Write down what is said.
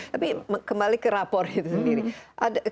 tapi kembali ke rapor itu sendiri